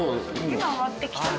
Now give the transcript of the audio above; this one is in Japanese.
今終わって来たの。